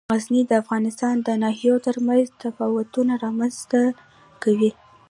غزني د افغانستان د ناحیو ترمنځ تفاوتونه رامنځ ته کوي.